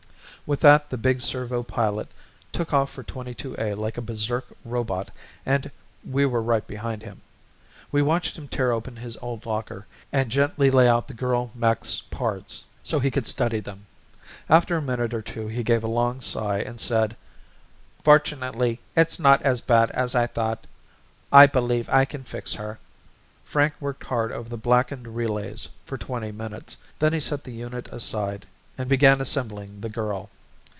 With that the big servo pilot took off for 22A like a berserk robot and we were right behind him. We watched him tear open his old locker and gently lay out the girl's mech's parts so he could study them. After a minute or two he gave a long sigh and said, "Fortunately it's not as bad as I thought. I believe I can fix her." Frank worked hard over the blackened relays for twenty minutes, then he set the unit aside and began assembling the girl.